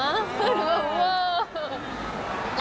ดูแบบเวอร์